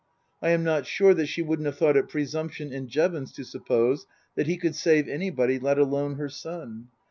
I am not sure that she wouldn't have thought it presumption in Jevons to suppose that he could save anybody, let alone her son.